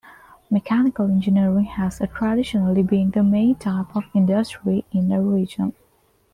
Mechanical engineering has traditionally been the main type of industry in the region.